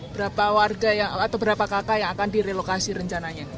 berapa warga atau berapa kakak yang akan direlokasi rencananya